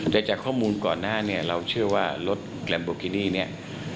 แต่จากข้อมูลก่อนหน้านี้เราเชื่อว่ารถแลมโบกินี่เนี่ย